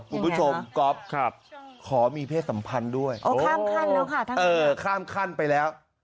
คุณผู้ชมครับขอมีเพศสัมพันธ์ด้วยเออข้ามขั้นไปแล้ว